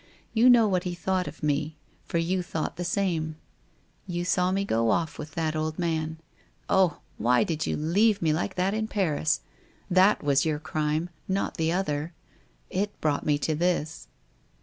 You know what he thought of mc, for you thought the Bamc; you 408 WHITE ROSE OF WEARY LEAF saw me go off with the old man. Oh! why did you leave me like that in Paris? That was your crime, not the other. It brought me to this.